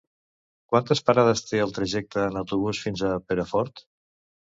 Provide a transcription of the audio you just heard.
Quantes parades té el trajecte en autobús fins a Perafort?